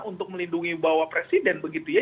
untuk melindungi bapak presiden begitu ya